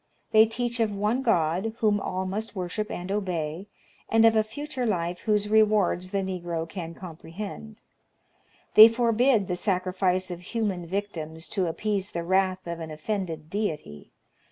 They teach of one God, whom all must worship and obey, and of a future life whose rewards the Negro can com prehend. They forbid the sacrifice of human victims to appease the wrath of an offended deity.